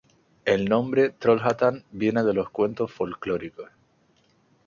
El nombre Trollhättan viene de los cuentos folclóricos.